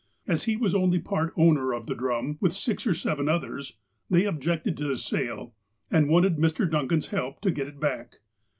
As he was only part owner of the drum, with six or seven others, they objected to the sale, and wanted Mr. Duncan's help to get it back.